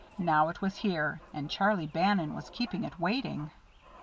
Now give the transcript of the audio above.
Now it was here, and Charlie Bannon was keeping it waiting.